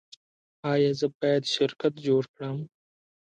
ایا زه باید شرکت جوړ کړم؟